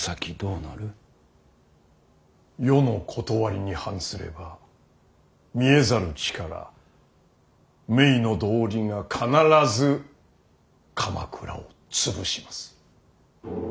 世のことわりに反すれば見えざる力冥の道理が必ず鎌倉を潰します。